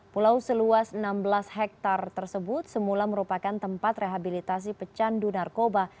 pulau seluas enam belas hektare tersebut semula merupakan tempat rehabilitasi pecandu narkoba